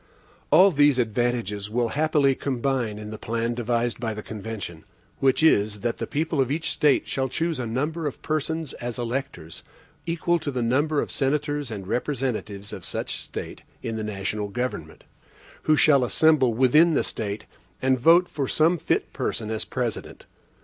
All these advantages will happily combine in the plan devised by the convention; which is, that the people of each State shall choose a number of persons as electors, equal to the number of senators and representatives of such State in the national government, who shall assemble within the State, and vote for some fit person as President.